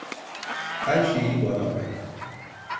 Her şeyi bana bırak.